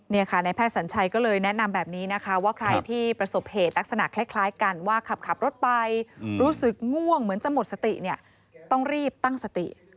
นี่ค่ะนายแพทย์สัญชัยก็เลยแนะนำแบบนี้นะคะว่าใครที่ประสบเหตุลักษณะคล้ายกันว่าขับรถไปรู้สึกง่วงเหมือนจะหมดสติเนี่ยต้องรีบตั้งสติ